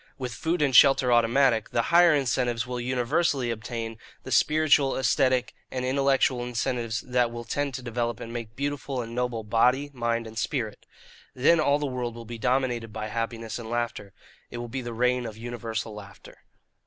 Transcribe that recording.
With food and shelter automatic, the higher incentives will universally obtain the spiritual, aesthetic, and intellectual incentives that will tend to develop and make beautiful and noble body, mind, and spirit. Then all the world will be dominated by happiness and laughter. It will be the reign of universal laughter.